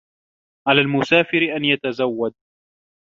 عَلَى الْمُسَافِرِ أَنْ يَتَزَوَّدَ.